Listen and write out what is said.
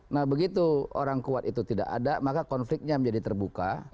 nah begitu orang kuat itu tidak ada maka konfliknya menjadi terbuka